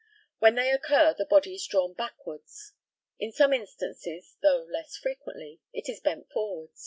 When they occur the body is drawn backwards; in some instances, though less frequently, it is bent forward.